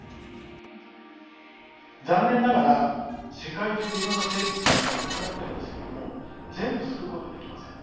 残念ながら世界中でいろんな生物が今いなくなってるんですけれども全部救うことはできません。